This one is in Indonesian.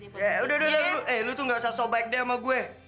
eh udah udah lo tuh gak usah sobaik deh sama gue